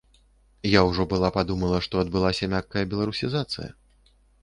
Я ўжо была падумала, што адбылася мяккая беларусізацыя.